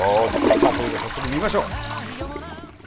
さあそれでは早速見ましょう！